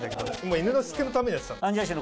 犬のしつけのためにやってた。